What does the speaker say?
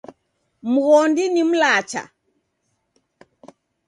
Mghondi ni mlacha.